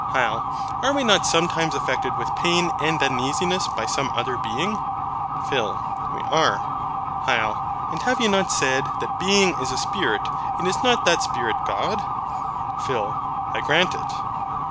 HYL. Are we not sometimes affected with pain and uneasiness by some other Being? PHIL. We are. HYL. And have you not said that Being is a Spirit, and is not that Spirit God? PHIL. I grant it.